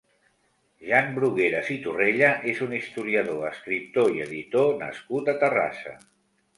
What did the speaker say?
Jan Brugueras i Torrella és un historiador, escriptor i editor nascut a Terrassa.